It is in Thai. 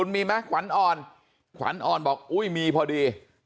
มีไหมขวัญอ่อนขวัญอ่อนบอกอุ้ยมีพอดี